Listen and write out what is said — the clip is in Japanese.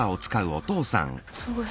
すごい！